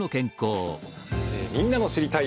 みんなの「知りたい！」